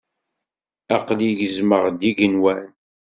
Aqli gezmeɣ-d igenwan.